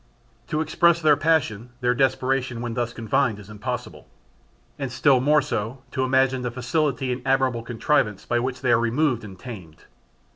To express their passion, their desperation, when thus confined, is impossible; and still more so, to imagine the facility and admirable contrivance by which they are removed and tamed.